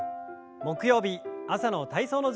木曜日朝の体操の時間です。